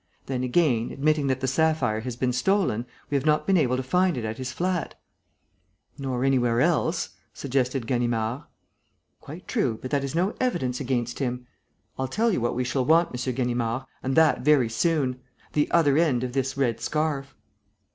Then again, admitting that the sapphire has been stolen, we have not been able to find it at his flat." "Nor anywhere else," suggested Ganimard. "Quite true, but that is no evidence against him. I'll tell you what we shall want, M. Ganimard, and that very soon: the other end of this red scarf."